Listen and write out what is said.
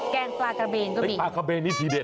แกงปลาเกบร์ก็มี